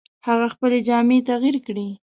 هغه خپلې جامې تغیر کړې.